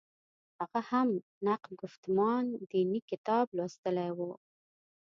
هغه هم «نقد ګفتمان دیني» کتاب لوستلی و.